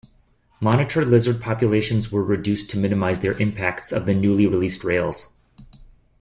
Monitor lizard populations were reduced to minimize their impacts of the newly released rails.